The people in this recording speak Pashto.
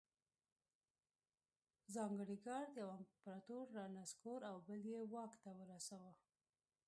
ځانګړي ګارډ یو امپرتور رانسکور او بل یې واک ته رساوه.